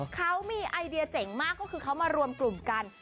เขามีไอเดียเจ๋งมากก็คือเขามารวมกลุ่มกัน